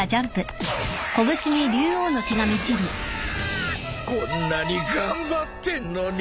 こんなに頑張ってんのに何で。